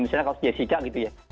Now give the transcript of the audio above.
misalnya kasus jessica gitu ya